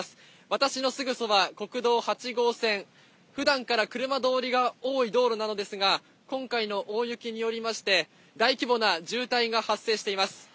私のすぐそば国道８号線、ふだんから車通りが多い道路なのですが、今回の大雪によりまして、大規模な渋滞が発生しています。